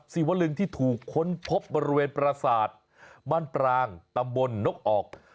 ศิวลึงที่ถูกค้นพบบริเวณประสาทบ้านปรางตำบลนกออก